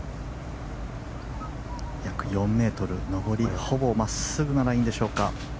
約４ｍ、上り、ほぼ真っすぐなラインでしょうか。